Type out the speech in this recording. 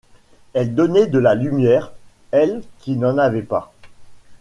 Elle donnait de la lumière, elle qui n’en avait pas.